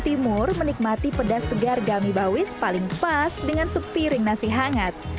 timur menikmati pedas segar gami bawis paling pas dengan sepiring nasi hangat